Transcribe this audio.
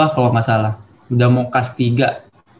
kalau gak salah udah mau kelas tiga